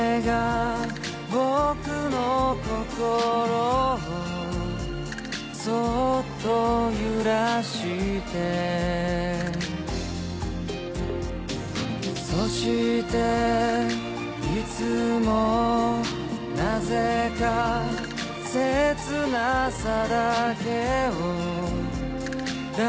「僕の心をそっと揺らして」「そしていつもなぜか」「せつなさだけを抱きしめている」